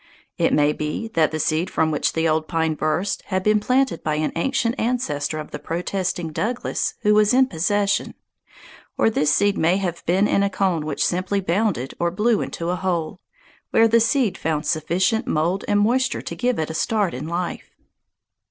It may be that the seed from which Old Pine burst had been planted by an ancient ancestor of the protesting Douglas who was in possession, or this seed may have been in a cone which simply bounded or blew into a hole, where the seed found sufficient mould and moisture to give it a start in life.